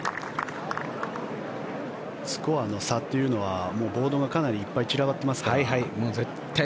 スコアの差というのはボードがかなりいっぱい散らばっていますから。